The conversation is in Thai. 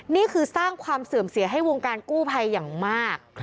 นี่คือสร้างความเสื่อมเสียให้วงการกู้ภัยอย่างมาก